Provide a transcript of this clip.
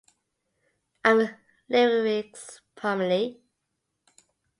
I'm a lyricist primarily.